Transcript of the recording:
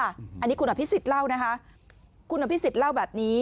อันนี้คุณอภิษฎเล่านะคะคุณอภิษฎเล่าแบบนี้